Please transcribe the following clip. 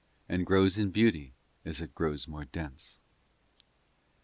And grows in beauty as it grows more dense.